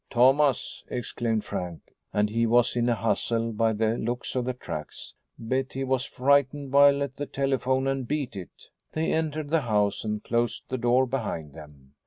"Thomas!" exclaimed Frank. "And he was in a hustle, by the looks of the tracks. Bet he was frightened while at the telephone and beat it." They entered the house and closed the door behind them.